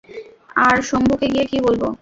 আর শম্ভুকে গিয়ে কী বলবো?